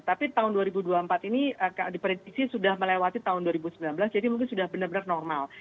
tapi tahun dua ribu dua puluh empat ini diprediksi sudah melewati tahun dua ribu sembilan belas jadi mungkin sudah benar benar normal